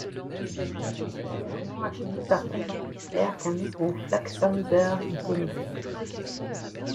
Guderian a fini par convaincre Hitler qu'un nouveau Flakpanzer était nécessaire.